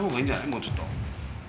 もうちょっと。